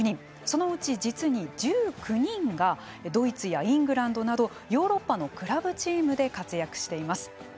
そのうち実に１９人がドイツやイングランドなどヨーロッパのクラブチームで活躍しています。